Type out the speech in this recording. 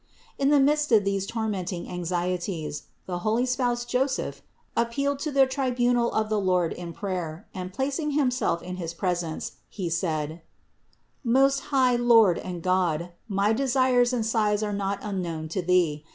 379. In the midst of these tormenting anxieties the holy Spouse Joseph appealed to the tribunal of the Lord in prayer and placing himself in his presence, he said: "Most high Lord and God, my desires and sighs are not unknown to Thee.